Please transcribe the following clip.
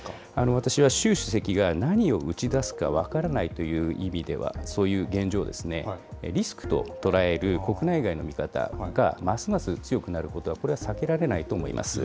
私は習主席が何を打ち出すか分からないという意味では、そういう現状をリスクと捉える国内外の見方がますます強くなることは、これは避けられないと思います。